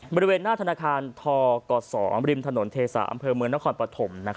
บริเวณหน้าธนาคารทก๒ริมถนนเทศะอำเภอเมืองนครปฐม